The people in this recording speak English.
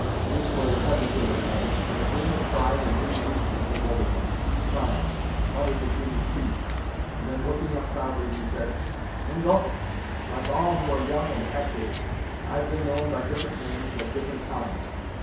Deerslayer hesitated a moment, and a gleam of pride and human weakness came over him. He smiled, muttered between his teeth, and then looking up proudly, he said "Mingo, like all who are young and actyve, I've been known by different names, at different times.